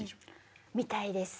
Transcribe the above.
みたいです。